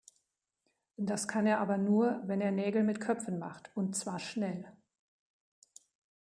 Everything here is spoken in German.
Das kann er aber nur, wenn er Nägel mit Köpfen macht, und zwar schnell.